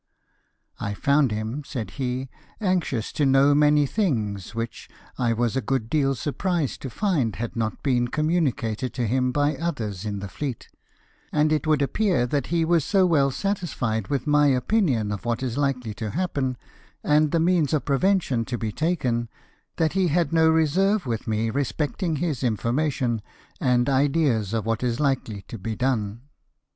" I found him," said he, " anxious to know many things, which I was a good deal surprised to find had not been com municated to him by others in the fleet ; and it would appear that he was so well satisfied with my opinion of what is likely to happen, and the means of prevention to be taken, that he had no reserve with me respecting his information, and ideas of what is likely to be done."